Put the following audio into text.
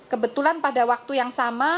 kebetulan pada waktu yang sama